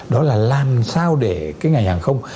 đó là làm sao để cái ngành hàng không